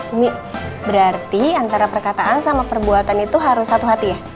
ini berarti antara perkataan sama perbuatan itu harus satu hati ya